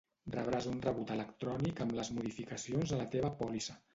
Rebràs un rebut electrònic amb les modificacions a la teva pòlissa.